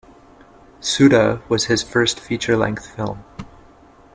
Suddha was his first feature length film.